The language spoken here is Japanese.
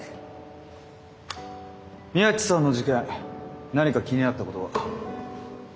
宮地さんの事件何か気になったことは？